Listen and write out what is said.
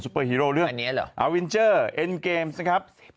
เปิดฮีโร่เรื่องอันนี้เหรออาวินเจอร์เอ็นเกมส์นะครับ